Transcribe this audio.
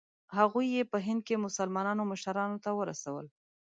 هغوی یې په هند کې مسلمانانو مشرانو ته ورسول.